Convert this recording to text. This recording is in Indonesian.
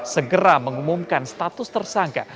segera mengumumkan status tersangka